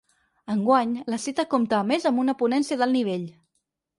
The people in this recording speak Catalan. Enguany, la cita compta a més amb una ponència d’alt nivell.